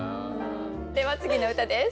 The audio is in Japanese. では次の歌です。